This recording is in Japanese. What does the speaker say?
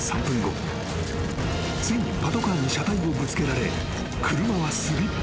［ついにパトカーに車体をぶつけられ車はスリップ］